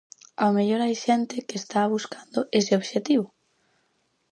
Ao mellor hai xente que está buscando ese obxectivo.